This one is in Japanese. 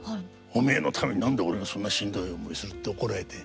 「お前のために何で俺がそんなしんどい思いする？」って怒られて。